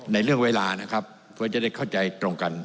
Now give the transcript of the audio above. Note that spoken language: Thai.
ในเรื่องเวลานะครับเพื่อจะได้เข้าใจตรงกัน